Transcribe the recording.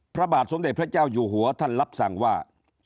พระบาทสมเด็จพระเจ้าอยู่หัวท่านรับสั่งว่า